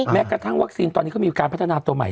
แม้กระทั่งวัคซีนตอนนี้เขามีการพัฒนาตัวใหม่